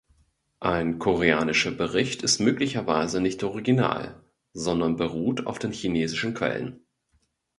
Ein koreanischer Bericht ist möglicherweise nicht original, sondern beruht auf den chinesischen Quellen.